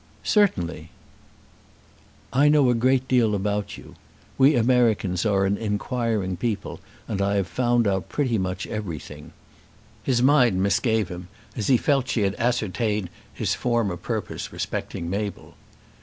"Certainly." "I know a great deal about you. We Americans are an inquiring people, and I have found out pretty much everything." His mind misgave him as he felt she had ascertained his former purpose respecting Mabel.